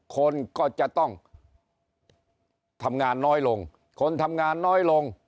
คนก็จะต้องทำงานน้อยลงคนทำงานน้อยลง